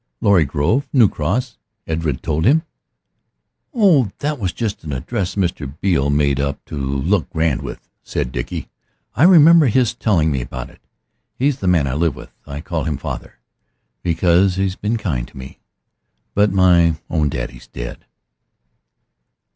"Laurie Grove, New Cross," Edred told him. "Oh, that was just an address Mr. Beale made up to look grand with," said Dickie. "I remember his telling me about it. He's the man I live with; I call him father because he's been kind to me. But my own daddy's dead."